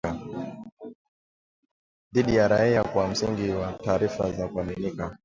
dhidi ya raia kwa msingi wa taarifa za kuaminika